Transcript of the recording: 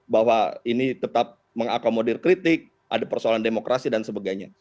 bahwa ini tetap mengakomodir kritik ada persoalan demokrasi dan sebagainya